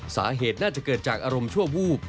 สาเหตุน่าจะเกิดจากอารมณ์ชั่ววูบ